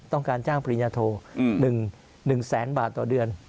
ต้องการจ้างปริญญาโท๑แสนบาทต่อเดือน